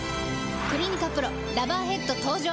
「クリニカＰＲＯラバーヘッド」登場！